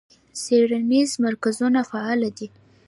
څیړنیز مرکزونه فعال دي.